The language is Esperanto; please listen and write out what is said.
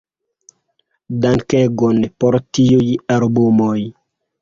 Dankegon por tiuj albumoj!